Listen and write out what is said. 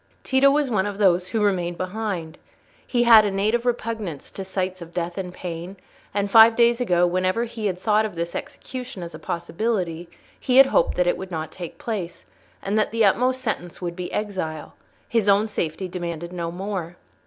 Tito was one of those who remained behind. He had a native repugnance to sights of death and pain, and five days ago whenever he had thought of this execution as a possibility he had hoped that it would not take place, and that the utmost sentence would be exile: his own safety demanded no more.